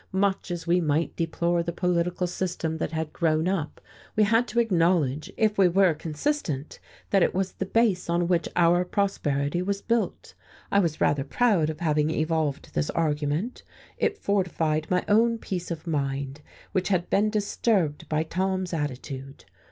Much as we might deplore the political system that had grown up, we had to acknowledge, if we were consistent, that it was the base on which our prosperity was built. I was rather proud of having evolved this argument; it fortified my own peace of mind, which had been disturbed by Tom's attitude.